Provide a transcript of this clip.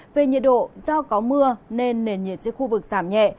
về nhiệt độ do có mưa nên nền nhiệt trên khu vực giảm nhẹ